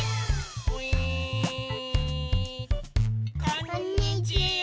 こんにちは。